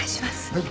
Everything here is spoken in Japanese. はい。